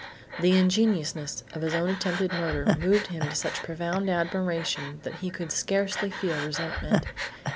The ingeniousness of his own attempted murder moved him to such profound admiration that he could scarcely feel resentment.